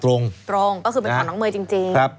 ตรงตรงก็คือเป็นของน้องเมย์จริง